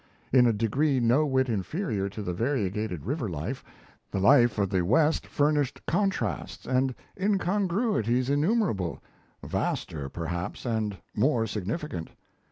In a degree no whit inferior to the variegated river life, the life of the West furnished contrasts and incongruities innumerable vaster perhaps, and more significant.